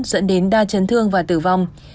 dẫn đến đa chấn thương và tử vong